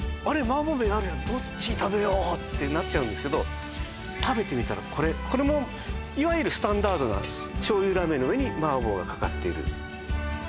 「麻婆麺あるやんどっち食べよう」ってなっちゃうんですけど食べてみたらこれいわゆるスタンダードな醤油ラーメンの上に麻婆がかかっている